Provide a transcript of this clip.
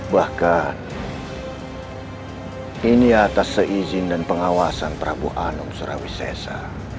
bahkan ini atas seizin dan pengawasan prabu anung surawi sesa